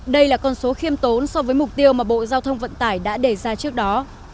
đây là con số khiêm tốn so với mục tiêu mà bộ giao thông vận tải đã đề ra trước đó